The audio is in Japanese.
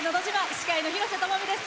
司会の廣瀬智美です。